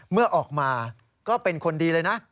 เมื่อออกมาก็เป็นคนดีเลยนะ